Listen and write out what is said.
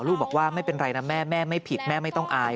ลูกบอกว่าไม่เป็นไรนะแม่แม่ไม่ผิดแม่ไม่ต้องอาย